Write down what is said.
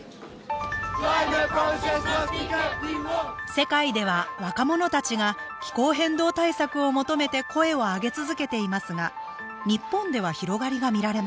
世界では若者たちが気候変動対策を求めて声を上げ続けていますが日本では広がりが見られません。